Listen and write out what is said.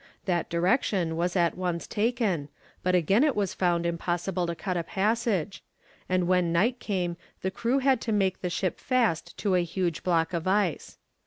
That direction was at once taken, but again it was found impossible to cut a passage, and when night came the crew had to make the ship fast to a huge block of ice.